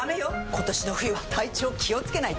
今年の冬は体調気をつけないと！